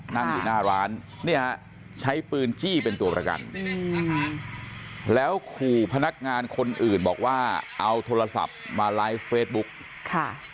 นั่งอยู่หน้าร้านเนี่ยใช้ปืนจี้เป็นตัวประกันแล้วขู่พนักงานคนอื่นบอกว่าเอาโทรศัพท์มาไลฟ์เฟซบุ๊กค่ะ